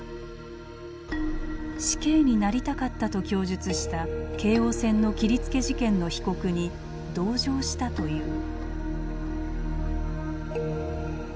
「死刑になりたかった」と供述した京王線の切りつけ事件の被告に同情したという。